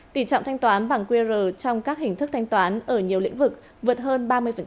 tỷ trọng thanh toán bằng qr trong các hình thức thanh toán ở nhiều lĩnh vực vượt hơn ba mươi